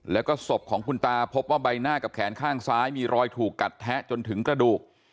แล้วก็ศพของคุณตาพบว่าใบหน้ากับแขนข้างซ้ายมีรอยถูกกัดแทะจนถึงกระดูก